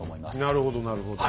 なるほどなるほど。